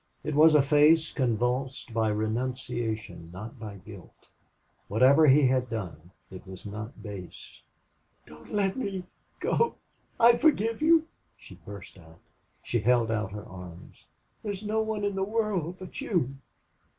It was a face convulsed by renunciation, not by guilt. Whatever he had done, it was not base. "DON'T LET ME GO!... I FORGIVE YOU!" she burst out. She held out her arms. "THERE'S NO ONE IN THE WORLD BUT YOU!"